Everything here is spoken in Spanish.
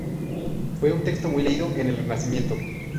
Fue un texto muy leído en el Renacimiento.